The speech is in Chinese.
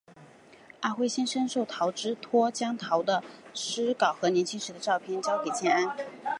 阿辉先生受陶之托将陶的诗稿和年轻时的相片交给建安。